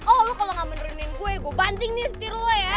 oh lo kalau nggak mau turunin gue gue bancingin setir lo ya